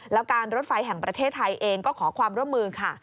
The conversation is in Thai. แล้วการรถไฟแห่งประเทศไทยเองก็ขอความร่วมมือค่ะ